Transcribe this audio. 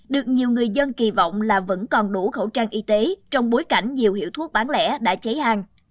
được nhiều người dân kỳ vọng là vẫn còn đủ khẩu trang y tế trong bối cảnh nhiều hiệu thuốc bán lẻ đã cháy hàng